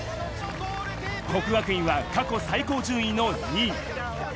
國學院は過去最高順位の２位。